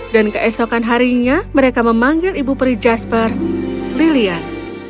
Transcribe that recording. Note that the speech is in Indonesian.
dan keesokan harinya mereka memanggil ibu peri jasper lilian